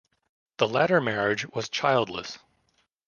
The latter marriage was childless.